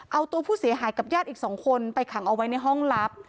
เอาตัวผู้เสียหายกับญาติอีก๒คนไปขังเอาไว้ในห้องลับ